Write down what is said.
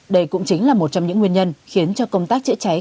đây cũng chính là một trong những nguyên nhân khiến cho công tác chữa cháy